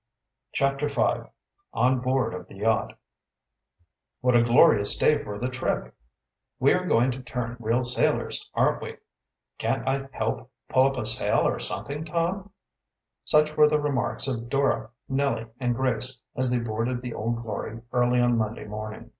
CHAPTER V ON BOARD OF THE YACHT "What a glorious day for the trip!" "We are going to turn real sailors, aren't we?" "Can't I help pull up a sail or something, Tom?" Such were the remarks of Dora, Nellie, and Grace as they boarded the Old Glory early on Monday morning.